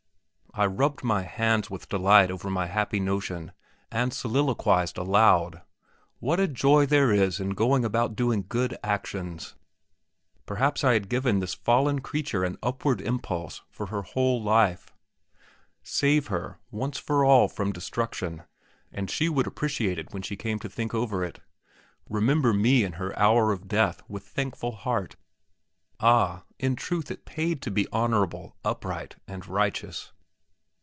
I rubbed my hands with delight over my happy notion, and soliloquized aloud, "What a joy there is in going about doing good actions." Perhaps I had given this fallen creature an upward impulse for her whole life; save her, once for all, from destruction, and she would appreciate it when she came to think over it; remember me yet in her hour of death with thankful heart. Ah! in truth, it paid to be honourable, upright, and righteous!